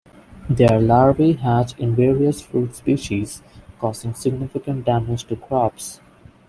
Their larvae hatch in various fruit species, causing significant damage to crops.